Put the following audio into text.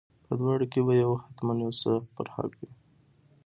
په دواړو کې به یو حتما یو څه پر حق وي.